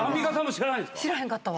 知らへんかったわ。